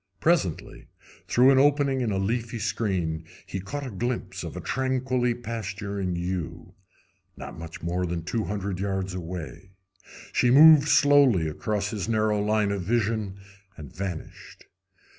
Presently, through an opening in the leafy screen, he caught a glimpse of a tranquilly pasturing ewe, not much more than two hundred yards away. She moved slowly across his narrow line of vision and vanished.